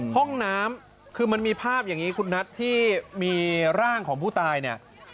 ห้องน้ำคือมันมีภาพอย่างนี้คุณนัทที่มีร่างของผู้ตายเนี่ย